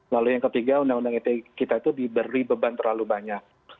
lalu yang ketiga undang undang ite kita itu diberi beban terlalu banyak